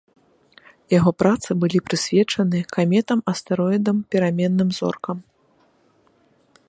Яго працы былі прысвечаны каметам, астэроідам, пераменным зоркам.